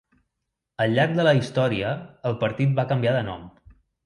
Al llarg de la història el partit va canviar de nom.